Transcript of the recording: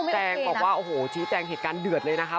แจงบอกว่าโอ้โหชี้แจงเหตุการณ์เดือดเลยนะคะ